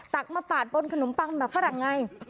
ตักมาปาดบนขนมปังแบบฝรั่งไง